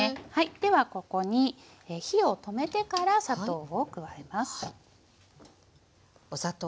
ではここに火を止めてから砂糖を加えます。